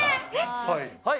はい。